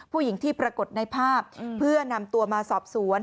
ผู้หญิงที่ปรากฏในภาพเพื่อนำตัวมาสอบสวน